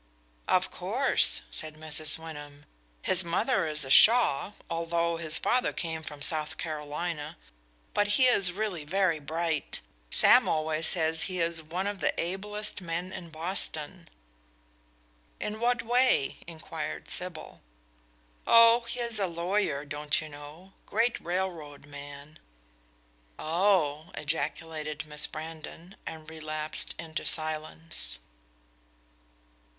"Of course," said Mrs. "Wyndham." His mother was a Shaw, although his father came from South Carolina. But he is really very bright; Sam always says he is one of the ablest men in Boston." "In what way?" inquired Sybil. "Oh, he is a lawyer, don't you know? great railroad man." "Oh," ejaculated Miss Brandon, and relapsed into silence.